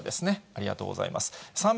ありがとうございます。